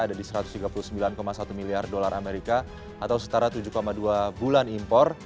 ada di satu ratus tiga puluh sembilan satu miliar dolar amerika atau setara tujuh dua bulan impor